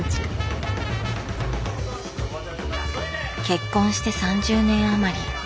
結婚して３０年余り。